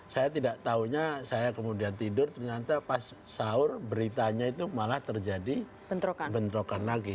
saya tidak tahunya saya kemudian tidur ternyata pas sahur beritanya itu malah terjadi bentrokan lagi